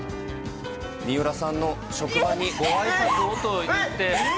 水卜さんの職場にごあいさつをといって。